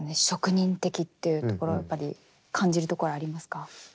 職人的っていうところはやっぱり感じるところはありますか？